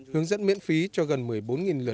hướng dẫn miễn phí cho gần một mươi bốn lượt